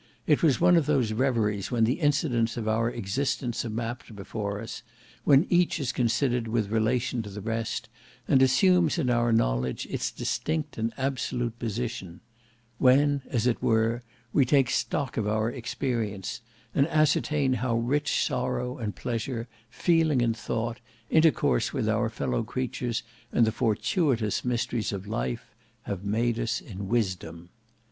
It was one of those reveries when the incidents of our existence are mapped before us, when each is considered with relation to the rest, and assumes in our knowledge its distinct and absolute position; when, as it were, we take stock of our experience, and ascertain how rich sorrow and pleasure, feeling and thought, intercourse with our fellow creatures and the fortuitous mysteries of life,—have made us in wisdom.